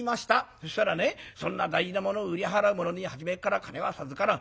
そしたらねそんな大事なものを売り払う者に初めから金は授からん。